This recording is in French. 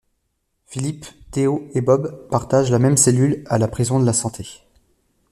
Philippe, Théo et Bob partagent la même cellule à la prison de la Santé.